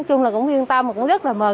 nói chung là cũng yên tâm